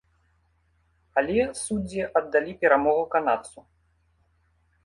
Але суддзі аддалі перамогу канадцу.